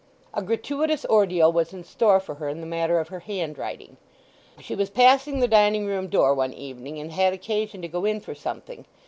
A gratuitous ordeal was in store for her in the matter of her handwriting. She was passing the dining room door one evening, and had occasion to go in for something.